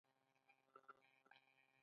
دوی به زموږ په اړه قضاوت کوي.